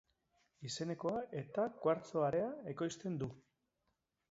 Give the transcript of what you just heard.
Izenekoa eta kuartzo-area ekoizten du.